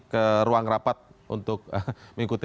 ke ruang rapat untuk mengikuti